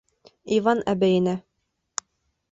Иван әбейенә: